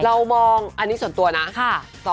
เรามองอันนี้ส่วนตัวนะ